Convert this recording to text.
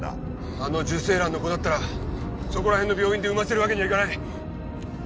あの受精卵の子だったらそこら辺の病院で産ませるわけにはいかない。